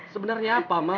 sebenarnya apa ma